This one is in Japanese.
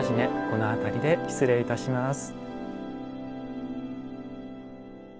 この辺りで失礼いたします。